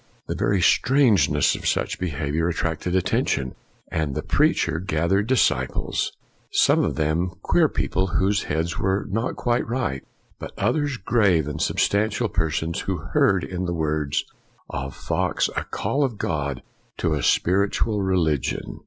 The very strangeness of such behavior attracted attention, and the preacher gath ered disciples; some of them queer people whose heads were not quite right, but others grave and substantial persons who heard in the words of Fox a call of God to a spiritual religion.